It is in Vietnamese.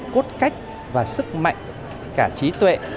cốt cách và sức mạnh cả trí tuệ